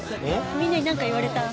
みんなになんか言われた？